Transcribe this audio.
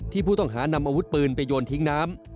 ผู้ต้องหานำอาวุธปืนไปโยนทิ้งน้ำ